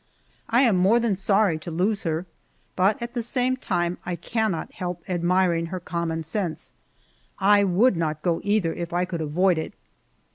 I am more than sorry to lose her, but at the same time I cannot help admiring her common sense. I would not go either if I could avoid it.